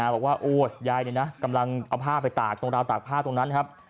บอกว่ายายกำลังเอาผ้าไปตากตรงราวตากผ้าตรงนั้นครับ